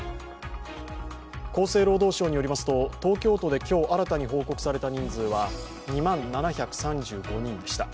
厚生労働省によりますと東京都で今日新に報告された人数は２万７３５人でした。